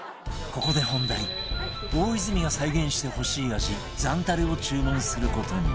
ここで本題大泉が再現してほしい味ザンタレを注文する事に